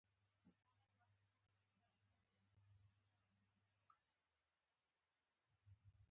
د هغه تر شا د الاقصی جومات یوه بله مناره ده.